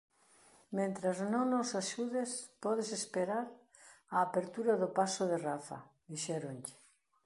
Mentres non nos axudes, podes esperar a apertura do paso de Rafá", dixéronlle.